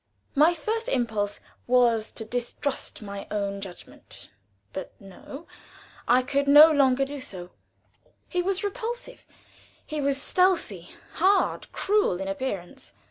My first impulse was to distrust my own judgment, but no; I could not long do so. He was repulsive; he was stealthy, hard, cruel, in appearance.